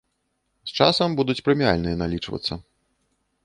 З часам будуць прэміальныя налічвацца.